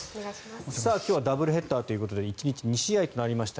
今日はダブルヘッダーということで１日２試合となりました。